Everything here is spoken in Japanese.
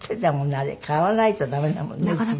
あれ買わないとダメだもんねうちに。